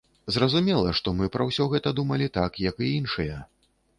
Зразумела, што мы пра ўсё гэта думалі так, як і іншыя.